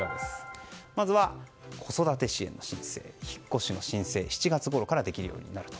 まず、子育て支援の申請引っ越しの申請７月ごろからできるようになると。